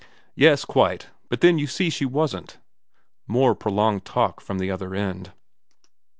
* Yes. Quite. But then you see she wasn't.' More prolonged talk from the other end.